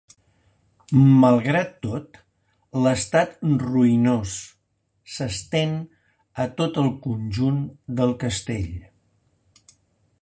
Malgrat tot, l'estat ruïnós s'estén a tot el conjunt del castell.